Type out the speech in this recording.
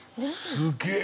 すげえ！